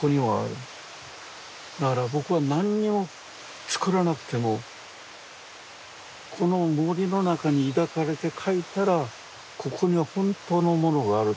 だから僕は何にも作らなくてもこの森の中に抱かれて描いたらここに本当のものがある。